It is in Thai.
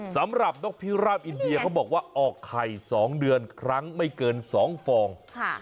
สำหรับนกพิราบอินเดียเขาบอกว่าออกไข่๒เดือนครั้งไม่เกิน๒ฟอง